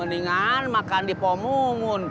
mendingan makan di pomungun